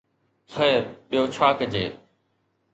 خير، ٻيو ڇا ڪجي؟